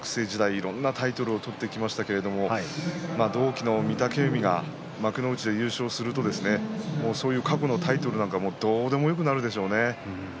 いろんなタイトルを取ってきましたけど同期の御嶽海が幕内で優勝するとそういう過去のタイトルなんかどうでもよくなるでしょうね。